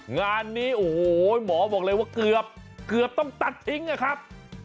งานนี้โอ้โหหมอบอกเลยว่าเกือบเกือบต้องตัดทิ้งนะครับ